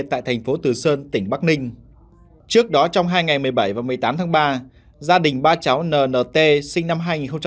tại thành phố từ sơn tỉnh bắc ninh trước đó trong hai ngày một mươi bảy và một mươi tám tháng ba gia đình ba cháu nnt sinh năm hai nghìn bảy